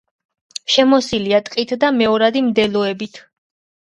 შემოსილია ტყითა და მეორადი მდელოებით.